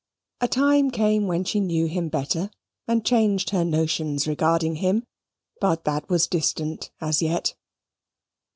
A time came when she knew him better, and changed her notions regarding him; but that was distant as yet.